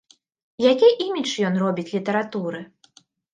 Які імідж ён робіць літаратуры?